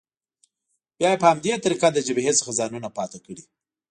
بیا یې په همدې طریقه له جبهې څخه ځانونه پاتې کړي.